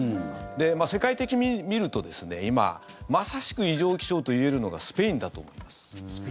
世界的に見ると今まさしく異常気象といえるのがスペインだと思います。